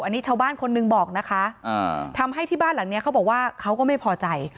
อันนี้ชาวบ้านคนหนึ่งบอกนะคะทำให้ที่บ้านหลังนี้เขาบอกว่าเขาก็ไม่พอใจ